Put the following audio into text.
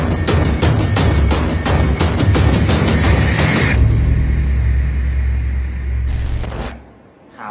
แล้วก็พอเล่ากับเขาก็คอยจับอย่างนี้ครับ